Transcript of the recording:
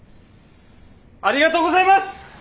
ありがとうございます！